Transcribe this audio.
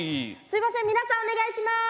すいません皆さんお願いします！